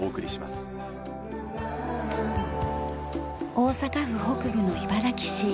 大阪府北部の茨木市。